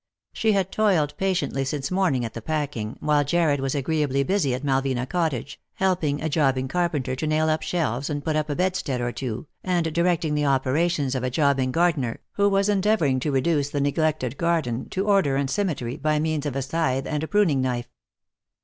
She had toiled patiently since morning at the packing, while Jarred was agreeably busy at Malvina Cottage, helping a jobbing carpenter to nail up shelves, and put up a bedstead or two, and directing the operations of a jobbing gar dener, who was endeavouring to reduce the neglected garden to order and symmetry by means of a scythe and a pruning knife.